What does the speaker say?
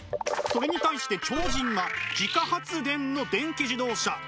それに対して超人は自家発電の電気自動車。